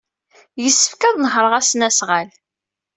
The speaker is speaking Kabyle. Yessefk ad nehṛeɣ asnasɣal.